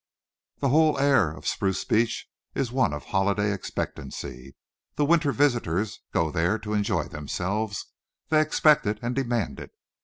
The whole air of Spruce Beach is one of holiday expectancy. The winter visitors go there to enjoy themselves; they expect it and demand it.